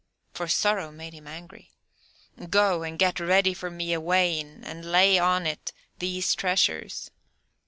for sorrow made him angry; "go, and get ready for me a wain, and lay on it these treasures."